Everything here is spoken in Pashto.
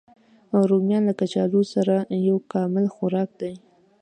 رومیان له کچالو سره یو کامل خوراک دی